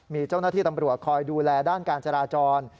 มีเจ้าหน้าที่ตำรวจคอยดูแลด้านการจราจร